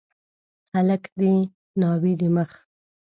هلک د ناوي د مخ